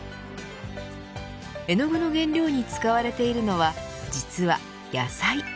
絵の具の原料に使われているのは実は野菜。